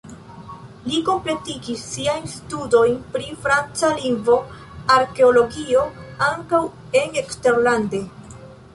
Li kompletigis siajn studojn pri franca lingvo, arkeologio ankaŭ en eksterlande.